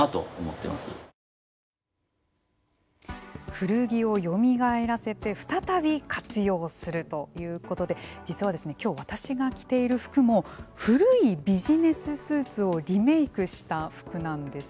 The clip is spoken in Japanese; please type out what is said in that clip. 古着をよみがえらせて再び活用するということで実はですね、今日私が着ている服も古いビジネススーツをリメイクした服なんです。